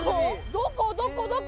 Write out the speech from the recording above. どこどこどこ！